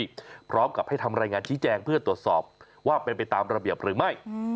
พร้อมกับให้ทำรายงานชี้แจงเพื่อตรวจสอบว่าเป็นไปตามระเบียบหรือไม่